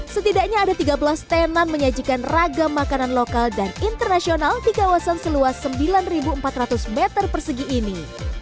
setidaknya ada tiga belas tenan menyajikan ragam makanan lokal dan internasional di kawasan seluas sembilan empat ratus meter persegi ini